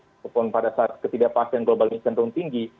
ataupun pada saat ketidakpastian global ini cenderung tinggi